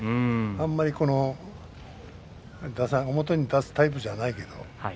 あまり表に出すタイプじゃないけどね。